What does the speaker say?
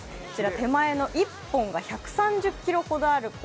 手前の１本が１３０ｋｇほどある氷